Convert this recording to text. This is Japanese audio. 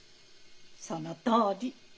そのとおり。